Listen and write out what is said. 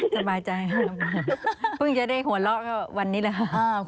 เพิ่งจะได้หัวเราะวันนี้เลยค่ะ